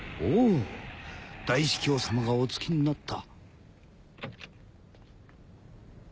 大司教さまがお着きになった。